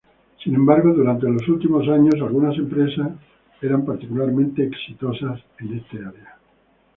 Sin embargo, durante los últimos años algunas empresas eran particularmente exitoso en esta área.